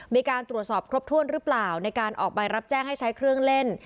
มีการตรวจสอบครบถ้วนหรือเปล่าในการออกใบรับแจ้งให้ใช้เครื่องเล่น